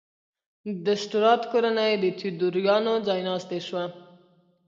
د سټورات کورنۍ د تیودوریانو ځایناستې شوه.